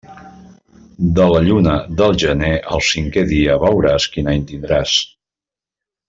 De la lluna del gener el cinquè dia veuràs quin any tindràs.